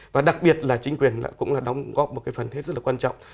và đặc biệt là chính quyền cũng là đóng góp một cái phần rất là quan trọng